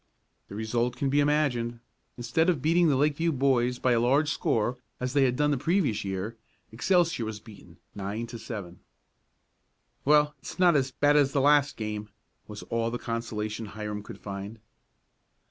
The result can be imagined. Instead of beating the Lakeview boys by a large score, as they had done the previous year, Excelsior was beaten, nine to seven. "Well, it's not as bad as the last game," was all the consolation Hiram could find.